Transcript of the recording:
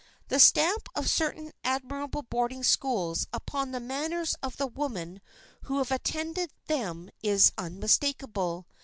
The stamp of certain admirable boarding schools upon the manners of the women who have attended them is unmistakable.